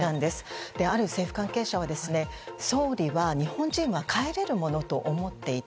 ある政府関係者は総理は、日本人は帰れるものと思っていた。